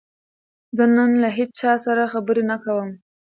زه نن له هیچا سره خبرې نه کوم.